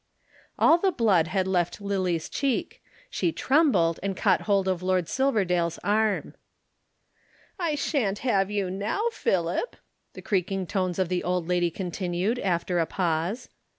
All the blood had left Lillie's cheek she trembled and caught hold of Lord Silverdale's arm. "I shan't have you now, Philip," the creaking tones of the old lady continued after a pause.